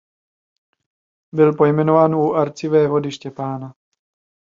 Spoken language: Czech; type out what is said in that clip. Byl pojmenován "U Arcivévody Štěpána".